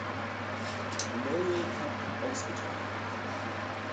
Memorial Cup" ausgetragen.